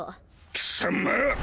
貴様！